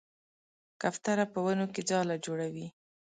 کوتره په ونو کې ځاله جوړوي.